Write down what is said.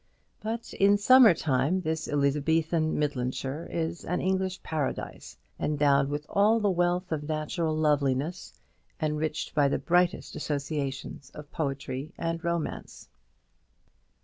But in summer time this Elizabethan Midlandshire is an English paradise, endowed with all the wealth of natural loveliness, enriched by the brightest associations of poetry and romance.